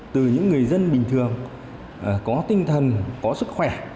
từ những người dân bình thường có tinh thần có sức khỏe